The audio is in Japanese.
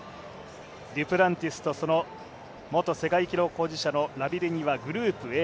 デュプランティスと元世界記録保持者のラビレニはグループＡ